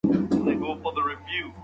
په لاس خط لیکل د ډیجیټل ستړیا مخه نیسي.